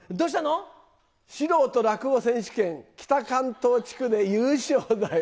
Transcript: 素人落語選手権北関東地区で優勝だよ。